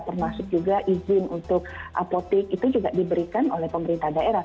termasuk juga izin untuk apotik itu juga diberikan oleh pemerintah daerah